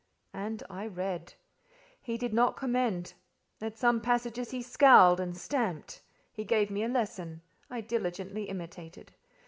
And I read. He did not commend; at some passages he scowled and stamped. He gave me a lesson: I diligently imitated.